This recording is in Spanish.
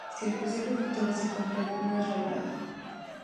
Si el posible futuro se cumple no es revelado.